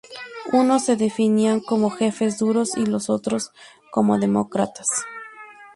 Unos se definían como jefes duros y los otro como demócratas.